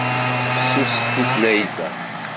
Fessuset tutlayt-a.